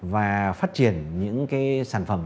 và phát triển những sản phẩm